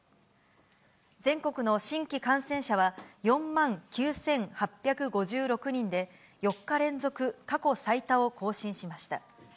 全国の新規感染者は４万９８５６人で、４日連続過去最多を更新しました。